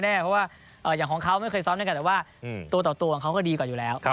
เพราะว่าอย่างของเขาไม่เคยซ้อมด้วยกันแต่ว่าตัวต่อตัวของเขาก็ดีกว่าอยู่แล้ว